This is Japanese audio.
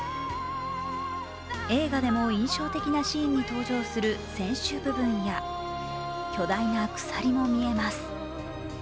映画でも印象的なシーンに登場する船首部分や巨大な鎖も見えます。